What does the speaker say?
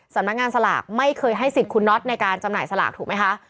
สำนักงานสลากไม่เคยให้สิทธิ์คุณน็อตในการจำหน่ายสลากถูกไหมคะ